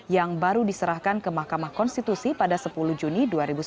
yang baru diserahkan ke mahkamah konstitusi pada sepuluh juni dua ribu sembilan belas